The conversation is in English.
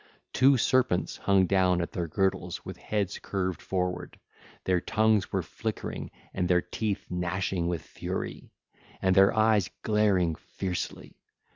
Two serpents hung down at their girdles with heads curved forward: their tongues were flickering, and their teeth gnashing with fury, and their eyes glaring fiercely.